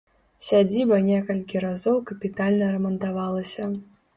Сядзіба некалькі разоў капітальна рамантавалася.